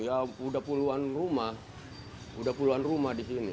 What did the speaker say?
ya udah puluhan rumah udah puluhan rumah di sini